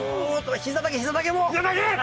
膝だけ膝だけもう。